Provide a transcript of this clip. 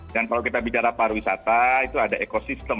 dan kalau kita bicara pariwisata itu ada ekosistem